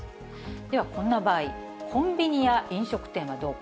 ではこんな場合、コンビニや飲食店はどうか。